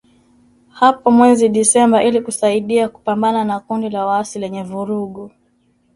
hapo mwezi Disemba ili kusaidia kupambana na kundi la waasi lenye vurugu